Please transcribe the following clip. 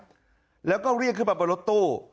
เราก็เรียกเข้ามาบนรถตู้